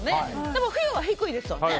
でも冬は低いですよね。